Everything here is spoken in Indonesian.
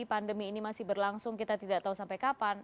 pandemi ini masih berlangsung kita tidak tahu sampai kapan